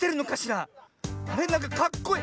なんかかっこいい。